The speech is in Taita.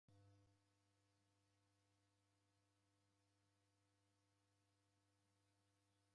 Kusemghoghorie, deda kwa lwaka